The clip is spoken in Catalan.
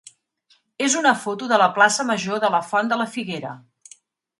és una foto de la plaça major de la Font de la Figuera.